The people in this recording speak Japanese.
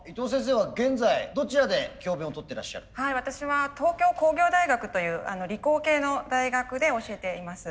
私は東京工業大学という理工系の大学で教えています。